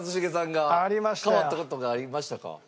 変わった事がありましたか？